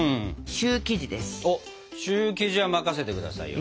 シュー生地は任せて下さいよ。